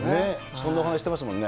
そんなお話してますもんね。